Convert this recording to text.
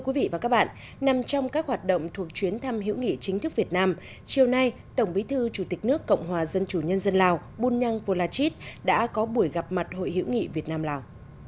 hôm nay tổng bí thư chủ tịch nước cộng hòa dân chủ nhân dân lào bun nhang volachit đã có buổi gặp mặt hội hữu nghị việt nam lào